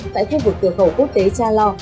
tại khu vực cửa khẩu quốc tế cha lo